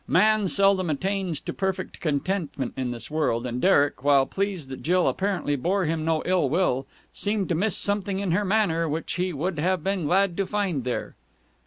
Man seldom attains to perfect contentment in this world, and Derek, while pleased that Jill apparently bore him no ill will, seemed to miss something in her manner which he would have been glad to find there.